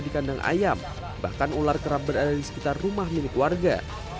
di kandang ayam bahkan ular kerap berada di sekitar rumah milik warga